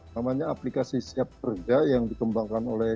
namanya aplikasi siap kerja yang dikembangkan oleh